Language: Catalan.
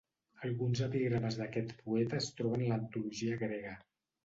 Alguns epigrames d'aquest poeta es troben a l'antologia grega.